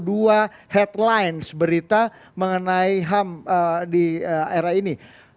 dua headlines berita mengenai ham di era ini